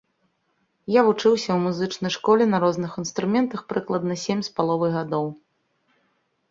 Я вучыўся ў музычнай школе на розных інструментах прыкладна сем з паловай гадоў.